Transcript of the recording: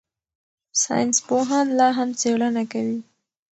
ساینسپوهان لا هم څېړنه کوي.